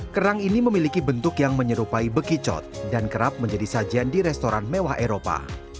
kerang ini memiliki bentuk yang menyerupai bekicot dan kerap menjadi sajian di restoran mewah eropa